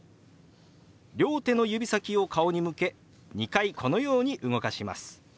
両手の指先を顔に向け２回このように動かします。